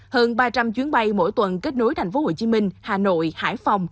hơn ba trăm linh chuyến bay mỗi tuần kết nối thành phố hồ chí minh hà nội hải phòng